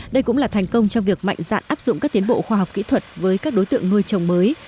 đây cũng là thành công trong việc mạnh dạn áp dụng các tiến bộ khoa học kỹ thuật với các đối tượng nuôi trồng mới